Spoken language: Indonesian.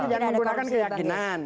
logika anda sudah menggunakan keyakinan